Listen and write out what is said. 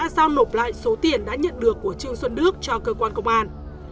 giao nộp lại số tiền đã nhận được của trương xuân đức cho cơ quan công an